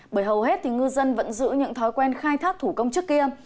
bởi hầu hết ngư dân vẫn giữ những thói quen khai thác thủ công trước kia